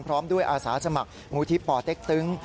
พร้อมด้วยอาสาสมัครมูลที่ปเต็กตึง